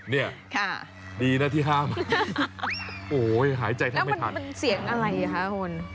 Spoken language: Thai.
นี่ดีนะที่ห้ามโอ๊ยหายใจทั้งไม่พันคุณคนแล้วมันเสียงอะไรค่ะ